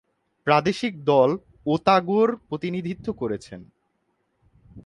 প্রাদেশিক দল ওতাগোর প্রতিনিধিত্ব করেছেন।